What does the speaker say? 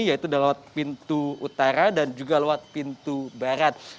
yaitu lewat pintu utara dan juga lewat pintu barat